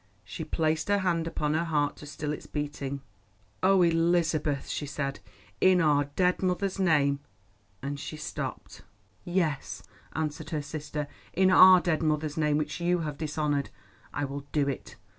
She placed her hand upon her heart to still its beating. "Oh, Elizabeth," she said, "in our dead mother's name——" and she stopped. "Yes," answered her sister, "in our dead mother's name, which you have dishonoured, I will do it.